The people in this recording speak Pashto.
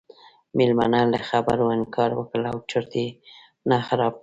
میلمنو له خبرو انکار وکړ او چرت یې نه خراب کړ.